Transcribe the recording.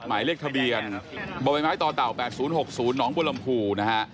หมายเลขทะเบียนบ่อยไม้ต่อเต่า๘๐๖๐หนองบัวลำพูนะฮะ